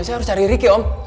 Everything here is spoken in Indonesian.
saya harus cari ricky om